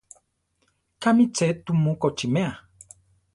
Kámi tze tumu kochímea?